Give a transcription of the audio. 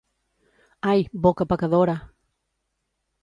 Ai, boca pecadora!